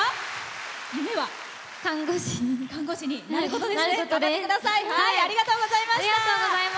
看護師になることです。